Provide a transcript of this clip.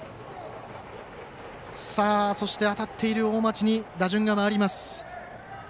当たっている大町に打順が回ります。